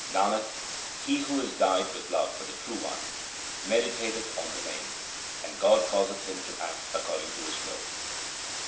Nanak, he who is dyed with love for the True One medi tateth on the Name, and God causeth him to act according to His will.